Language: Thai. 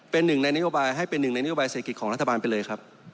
เป็นหนึ่งในนโยบายให้เป็นหนึ่งในนโยบายเศรษฐกิจของรัฐบาลไปเลยครับ